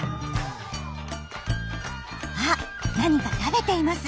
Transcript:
あ何か食べています。